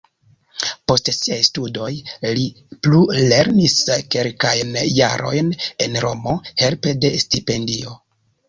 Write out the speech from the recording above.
Post siaj studoj li plulernis kelkajn jarojn en Romo helpe de stipendio.